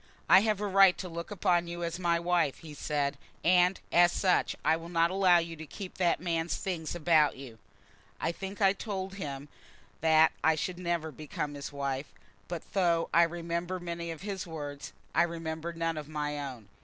"I have a right to look upon you as my wife," he said, "and, as such, I will not allow you to keep that man's things about you." I think I told him then that I should never become his wife, but though I remember many of his words, I remember none of my own.